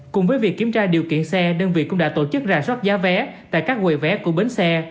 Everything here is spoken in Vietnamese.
cùng với việc kiểm tra điều kiện xe đơn vị cũng đã tổ chức rà soát giá vé tại các quầy vé của bến xe